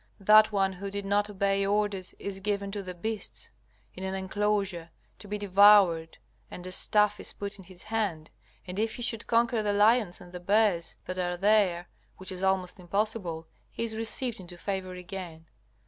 That one who did not obey orders is given to the beasts, in an enclosure, to be devoured, and a staff is put in his hand, and if he should conquer the lions and the bears that are there, which is almost impossible, he is received into favor again.